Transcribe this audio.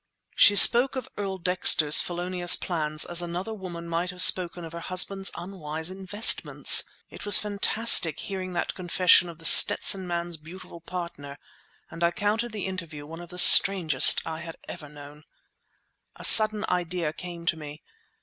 She spoke of Earl Dexter's felonious plans as another woman might have spoken of her husband's unwise investments! It was fantastic hearing that confession of The Stetson Man's beautiful partner, and I counted the interview one of the strangest I had ever known. A sudden idea came to me.